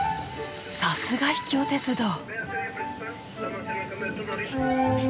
さすが秘境鉄道。